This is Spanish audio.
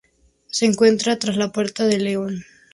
Se encuentra tras la puerta del León.